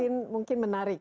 ini mungkin menarik